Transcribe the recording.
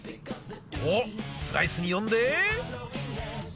おっスライスに読んで。